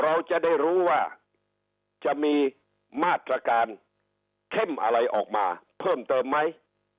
เราจะได้รู้ว่าจะมีมาตรการเข้มอะไรออกมาเพิ่มเติมไหม